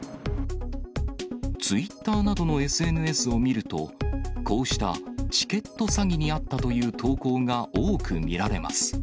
ツイッターなどのＳＮＳを見ると、こうしたチケット詐欺に遭ったという投稿が多く見られます。